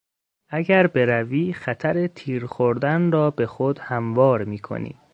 اگر بروی خطر تیر خوردن را به خود هموار میکنی.